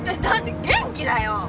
元気だよ。